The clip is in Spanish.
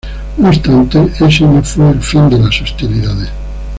No obstante, ese no fue el fin de las hostilidades.